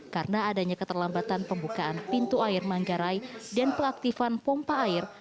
karena adanya keterlambatan pembukaan pintu air manggarai dan peaktifan pompa air